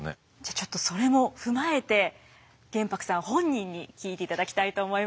あちょっとそれも踏まえて玄白さん本人に聞いていただきたいと思います。